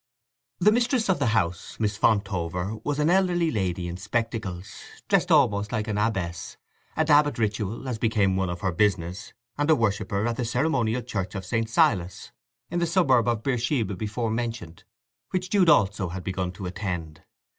The mistress of the house, Miss Fontover, was an elderly lady in spectacles, dressed almost like an abbess; a dab at Ritual, as become one of her business, and a worshipper at the ceremonial church of St. Silas, in the suburb of Beersheba before mentioned, which Jude also had begun to attend.